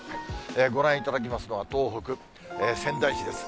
ご覧いただきますのは、東北、仙台市です。